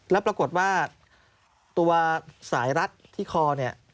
แล้วปรากฏว่าตัวสายรัดที่คอเนี่ย